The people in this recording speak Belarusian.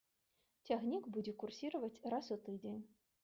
Цягнік будзе курсіраваць раз у тыдзень.